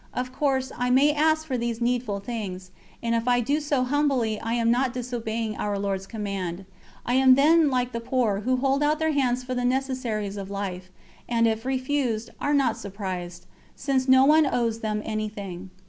Of course I may ask for these needful things, and if I do so humbly I am not disobeying Our Lord's command. I am then like the poor who hold out their hands for the necessaries of life, and, if refused, are not surprised, since no one owes them anything.